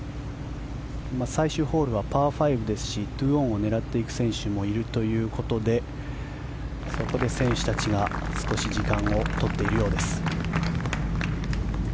最終ホールはパー５ですし２オンを狙っていく選手もいるということでそこで選手たちが少し時間を取っているようです。